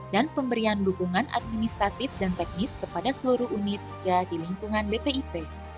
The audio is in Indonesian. dan pemberian dukungan administratif dan teknis kepada seluruh unit di lingkungan bpip